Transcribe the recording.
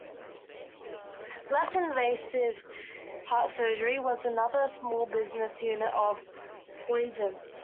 Less invasive heart surgery was another small business unit of Guidant.